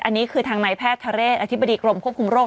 อันนี้คือทางนายแพทย์ทะเรศอธิบดีกรมควบคุมโรค